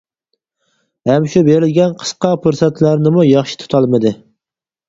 ھەم شۇ بېرىلگەن قىسقا پۇرسەتلەرنىمۇ ياخشى تۇتالمىدى.